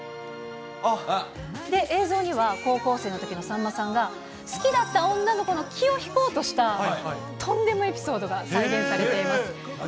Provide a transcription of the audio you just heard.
で、映像には、高校生のときのさんまさんが、好きだった女の子の気を引こうとした、とんでもエピソードが再現されています。